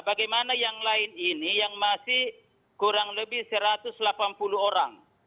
bagaimana yang lain ini yang masih kurang lebih satu ratus delapan puluh orang